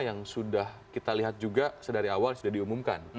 yang sudah kita lihat juga sedari awal sudah diumumkan